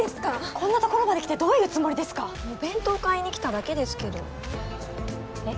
こんな所まで来てどういうつもりですかお弁当買いに来ただけですけどえっ？